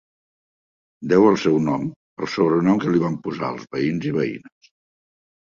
Deu el seu nom al sobrenom que li van posar els veïns i veïnes.